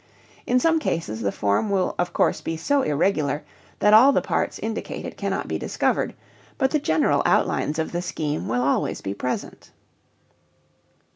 In some cases the form will of course be so irregular that all the parts indicated cannot be discovered, but the general outlines of the scheme will always be present.